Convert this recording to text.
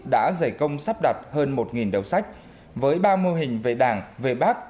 đã giải công sắp đặt hơn một đầu sách với ba mô hình về đảng về bác